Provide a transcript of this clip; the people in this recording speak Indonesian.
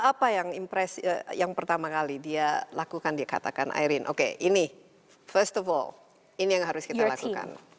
apa apa yang pertama kali dia lakukan dia katakan aireen oke ini first of all ini yang harus kita lakukan